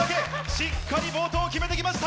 しっかり冒頭決めて来ました！